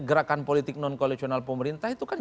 gerakan politik non koalisional pemerintah itu kan